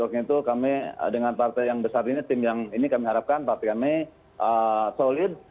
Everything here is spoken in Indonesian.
oleh karena itu kami dengan partai yang besar ini tim yang ini kami harapkan partai kami solid